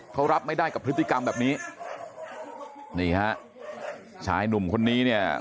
เขารับไม่ได้กับพฤติกรรมแบบนี้นี่ฮะชายหนุ่มคนนี้เนี่ย